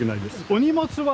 お荷物は？